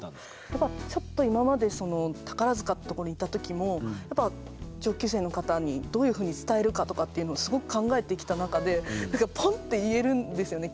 やっぱちょっと今まで宝塚って所にいた時もやっぱ上級生の方にどういうふうに伝えるかとかっていうのをすごく考えてきた中でポンって言えるんですよね